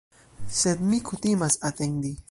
Sed mi kutimas atendi.